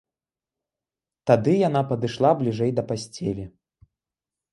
Тады яна падышла бліжэй да пасцелі.